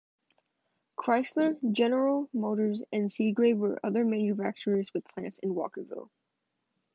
Chrysler, General Motors and Seagrave were other manufacturers with plants in Walkerville.